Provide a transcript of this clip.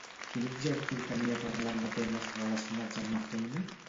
Quin objectiu tenia parlant de temes relacionats amb la feina?